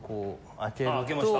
ああ開けました。